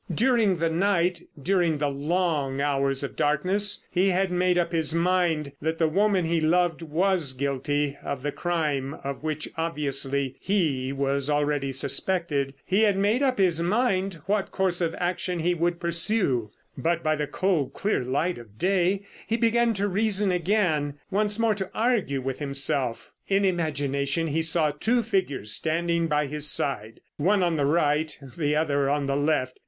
During the night, during the long hours of darkness, he had made up his mind that the woman he loved was guilty of the crime of which obviously he was already suspected. And he had made up his mind what course of action he would pursue. But by the cold, clear light of day he began to reason again, once more to argue with himself. In imagination he saw two figures standing by his side; one on the right, the other on the left.